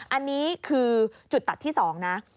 อันนี้คือจุดตัดที่๒นะ